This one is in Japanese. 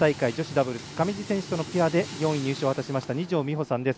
ダブルス上地選手とのペアで４位入賞を果たしました二條実穂さんです。